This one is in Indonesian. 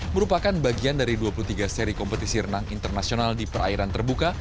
merupakan bagian dari dua puluh tiga seri kompetisi renang internasional di perairan terbuka